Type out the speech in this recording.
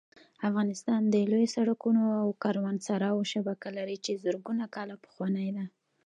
افغانستان د لویو سړکونو او کاروانسراوو شبکه لري چې زرګونه کاله پخوانۍ ده